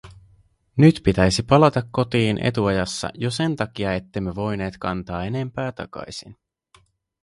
Nyt pitäisi palata kotiin etuajassa jo sen takia, ettemme voineet kantaa enempää takaisin.